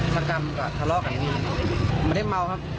สกรรมกับทะเลาะกันไม่เมาครับ